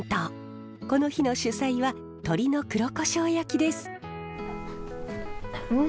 この日の主菜は鶏の黒コショウ焼きです。